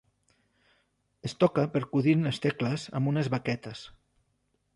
Es toca percudint les tecles amb unes baquetes.